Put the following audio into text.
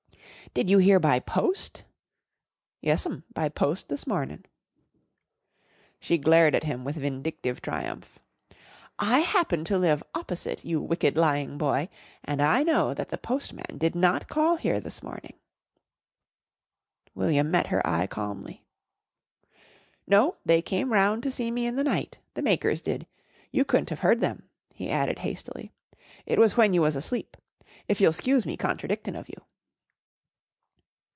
"Did you hear by post?" "Yes'm. By post this mornin'." She glared at him with vindictive triumph. "I happen to live opposite, you wicked, lying boy, and I know that the postman did not call here this morning." William met her eye calmly. "No, they came round to see me in the night the makers did. You cou'n't of heard them," he added hastily. "It was when you was asleep. If you'll 'scuse me contradictin' of you."